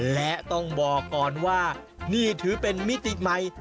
และต้องบอกก่อนว่านี่ถือเป็นมิติใหม่